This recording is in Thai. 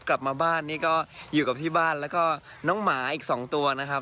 กลับมาบ้านนี่ก็อยู่กับที่บ้านแล้วก็น้องหมาอีก๒ตัวนะครับ